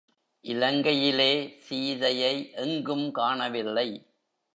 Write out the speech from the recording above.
இலங்கையிலே சீதையை எங்கும் காணவில்லை.